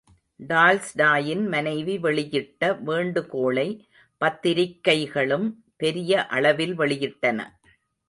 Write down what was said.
டால்ஸ்டாயின் மனைவி வெளியிட்ட வேண்டுகோளை பத்திரிக்கைகளும் பெரிய அளவில் வெளியிட்டன.